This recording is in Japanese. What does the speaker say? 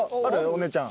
お姉ちゃん。